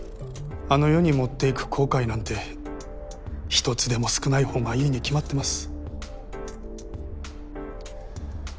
あの世に持っていく後悔なんて１つでも少ないほうがいいに決まってます。